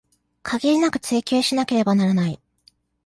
限りなく追求しなければならない